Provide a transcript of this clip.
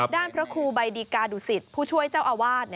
พระครูใบดีกาดุสิตผู้ช่วยเจ้าอาวาส